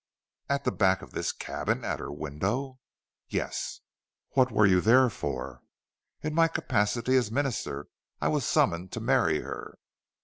"At the back of this cabin!... At her window?" "Yes." "What were you there for?" "In my capacity as minister. I was summoned to marry her."